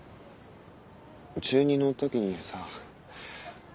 中２の時にさ